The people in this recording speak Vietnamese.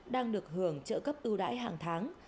đang được hưởng trợ cấp ưu đãi hàng tháng